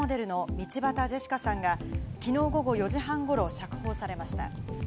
道端ジェシカさんが昨日午後４時半頃、釈放されました。